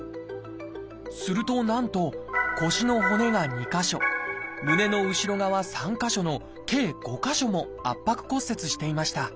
するとなんと腰の骨が２か所胸の後ろ側３か所の計５か所も圧迫骨折していました。